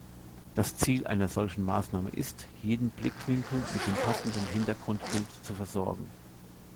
Das Ziel einer solchen Maßnahme ist, jeden Blickwinkel mit dem passenden Hintergrundbild zu versorgen.